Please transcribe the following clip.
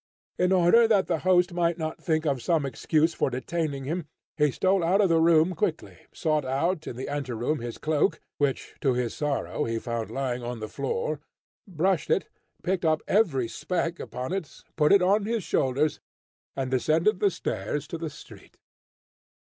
In order that the host might not think of some excuse for detaining him, he stole out of the room quickly, sought out, in the ante room, his cloak, which, to his sorrow, he found lying on the floor, brushed it, picked off every speck upon it, put it on his shoulders, and descended the stairs to the street.